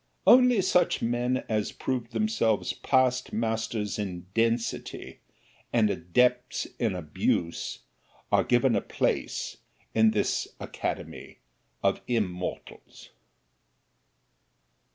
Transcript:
Only such men as proved themselves past masters in density and adepts in abuse are given a place in this Academy of Immortals.